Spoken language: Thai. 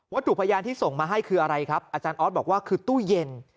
วัตถุพยารที่ส่งมาให้คืออะไรออ๊อสบอกว่าคือตู้เย็น